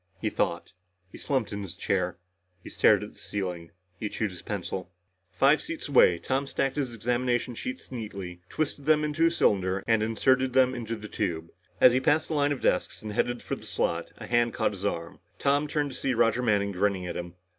He thought. He slumped in his chair. He stared at the ceiling. He chewed his pencil.... Five seats away, Tom stacked his examination sheets neatly, twisted them into a cylinder and inserted them in the tube. As he passed the line of desks and headed for the slot, a hand caught his arm. Tom turned to see Roger Manning grinning at him.